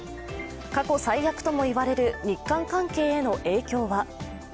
過去最悪とも言われる日韓関係への影響は。